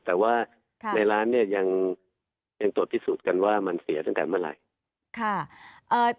แต่ว่าในร้านเนี่ยยังตรวจพิสูจน์กันว่ามันเสียตั้งแต่เมื่อไหร่